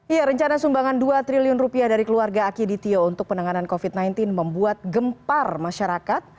iya rencana sumbangan dua triliun rupiah dari keluarga aki ditio untuk penanganan covid sembilan belas membuat gempar masyarakat